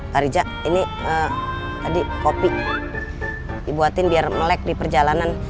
pak rija ini tadi kopi dibuatin biar melek di perjalanan